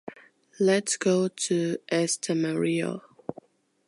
Let's go to Estamariu.